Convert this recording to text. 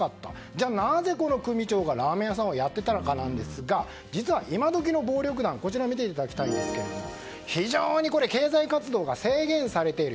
じゃあ、なぜこの組長がラーメン屋さんをやっていたのかなんですが実は今時の暴力団は非常に経済活動が制限されている。